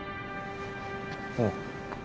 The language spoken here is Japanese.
うん。